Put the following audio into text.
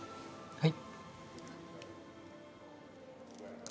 はい。